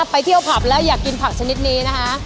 ไปเที่ยวผับแล้วอยากกินผักชนิดนี้นะคะ